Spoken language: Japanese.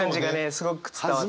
すごく伝わって。